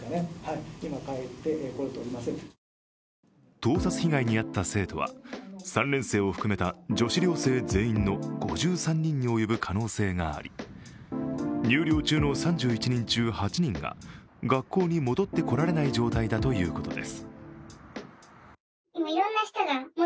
盗撮被害に遭った生徒は３年生を含めた女子寮生全員の５３人に及ぶ可能性があり入寮中の３１人中８人が学校に戻ってこられない状態だということです。